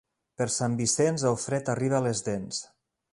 Per Sant Vicenç el fred arriba a les dents.